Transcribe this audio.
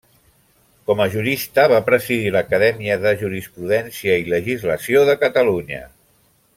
Com a jurista va presidir l'Acadèmia de Jurisprudència i Legislació de Catalunya.